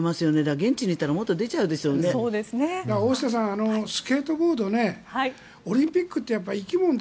現地にいたら大下さんスケートボードとかオリンピックって生き物で